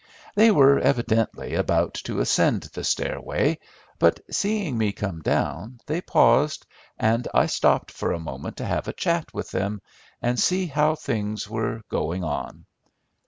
They were evidently about to ascend the stairway; but, seeing me come down, they paused, and I stopped for a moment to have a chat with them, and see how things were going on.